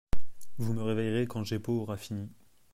Vous me réveillerez quand Jeppo aura fini.